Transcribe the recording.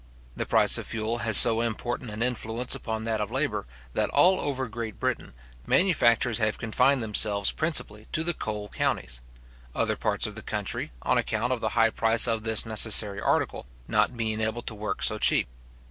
The price of fuel has so important an influence upon that of labour, that all over Great Britain, manufactures have confined themselves principally to the coal counties; other parts of the country, on account of the high price of this necessary article, not being able to work so cheap.